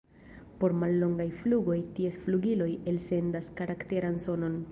Por mallongaj flugoj ties flugiloj elsendas karakteran sonon.